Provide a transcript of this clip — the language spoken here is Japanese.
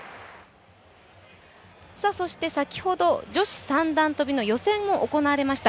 先ほど女子三段跳の予選も行われました。